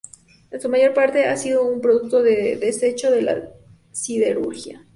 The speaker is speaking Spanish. En su mayor parte, han sido un producto de desecho de la siderurgia.